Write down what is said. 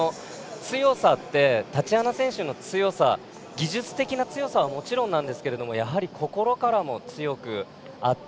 タチアナ選手の強さ技術的な強さはもちろんなんですけど心から強くあって。